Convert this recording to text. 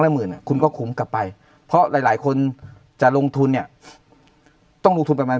ละหมื่นคุณก็คุ้มกลับไปเพราะหลายคนจะลงทุนต้องลงทุนประมาณ